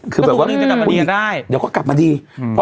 คือแบบว่าอืมจะกลับมาดีอ่ะได้เดี๋ยวก็กลับมาดีอืม